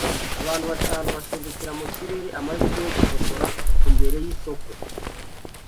Abantu batanu basimbukira mu kirere amahirwe yo gufotora imbere yisoko